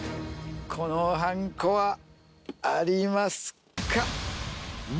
このはんこはありますか？